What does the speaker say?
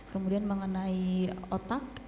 kemudian mengenai otak